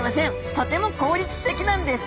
とても効率的なんです。